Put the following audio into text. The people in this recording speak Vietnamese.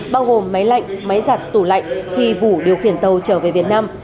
bao gồm máy lạnh máy giặt tủ lạnh thì vũ điều khiển tàu trở về việt nam